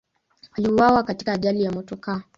Aliuawa katika ajali ya motokaa.